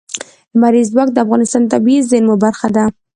لمریز ځواک د افغانستان د طبیعي زیرمو برخه ده.